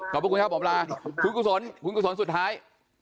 ขอบคุณครับบอกลาคุณกุศลสุดท้าย